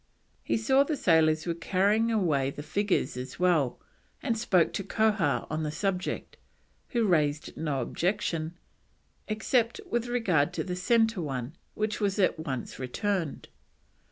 He saw the sailors were carrying away the figures as well, and spoke to Koah on the subject, who raised no objection, except with regard to the centre one, which was at once returned.